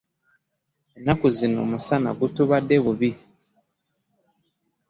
Ennaku zino omusana gutubadde bubi.